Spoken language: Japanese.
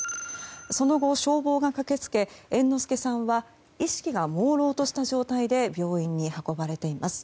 その後、消防が駆け付け猿之助さんは意識がもうろうとした状態で病院に運ばれています。